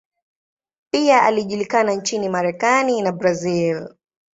Pia alijulikana nchini Marekani na Brazil.